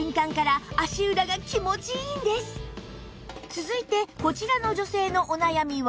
続いてこちらの女性のお悩みは